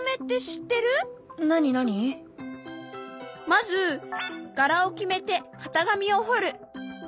まず柄を決めて型紙をほる。